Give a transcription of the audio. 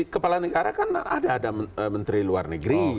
kepala negara kan ada menteri luar negeri